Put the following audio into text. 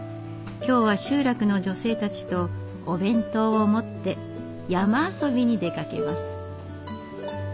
今日は集落の女性たちとお弁当を持って山遊びに出かけます。